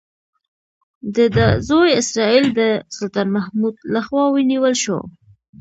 د ده زوی اسراییل د سلطان محمود لخوا ونیول شو.